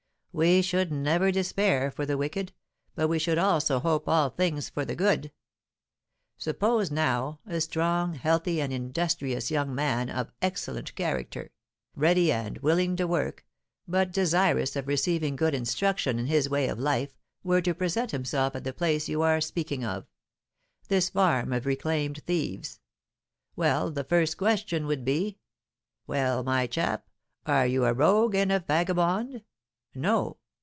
We should never despair for the wicked, but we should also hope all things for the good. Suppose now a strong, healthy, and industrious young man, of excellent character, ready and willing to work, but desirous of receiving good instruction in his way of life, were to present himself at the place you are speaking of this farm of reclaimed thieves well, the first question would be, 'Well, my chap, are you a rogue and a vagabond?' 'No!'